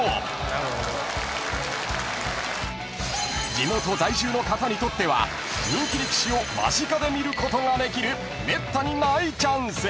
［地元在住の方にとっては人気力士を間近で見ることができるめったにないチャンス］